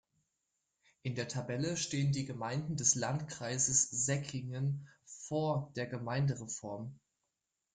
In der Tabelle stehen die Gemeinden des Landkreises Säckingen "vor" der Gemeindereform.